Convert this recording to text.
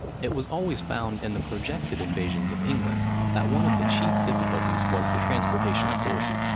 It was always found in the projected invasions of England, that one of the chief difficulties was the transportation of horses.